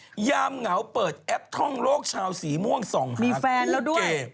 ยามเหงาเปิดแอปท่องโลกชาวสีม่วงส่องมีแฟนแล้วด้วย